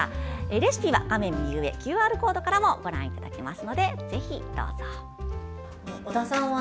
レシピは画面右上のＱＲコードからもご覧いただけます。